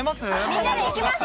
みんなで行きましょう。